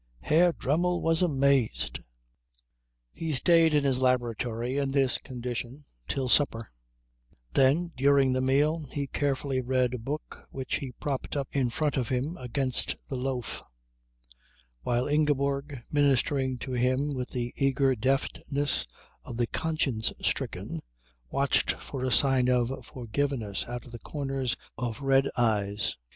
Herr Dremmel was amazed. He stayed in his laboratory in this condition till supper; then, during the meal, he carefully read a book which he propped up in front of him against the loaf, while Ingeborg, ministering to him with the eager deftness of the conscience stricken, watched for a sign of forgiveness out of the corners of red eyes.